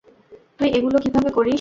তুই এগুলো কিভাবে করিস?